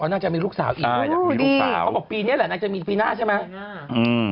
น่าจะมีลูกสาวอีกดีเขาบอกปีนี้แหละน่าจะมีปีหน้าใช่ไหม